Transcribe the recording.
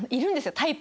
タイプが。